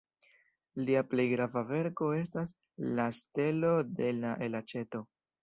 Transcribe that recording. Lia plej grava verko estas "La Stelo de la Elaĉeto".